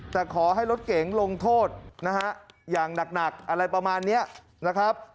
แต่ขอให้รถเก๋งลงโทษนะฮะอย่างหนักอะไรประมาณนี้นะครับ